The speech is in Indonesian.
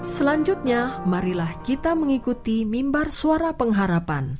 selanjutnya marilah kita mengikuti mimbar suara pengharapan